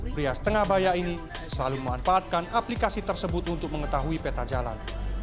pria setengah bayak ini selalu memanfaatkan aplikasi tersebut untuk mengetahui peta jalan